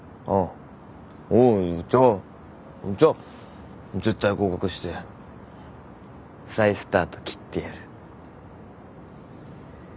あっおうじゃあじゃ絶対合格して再スタート切ってやる。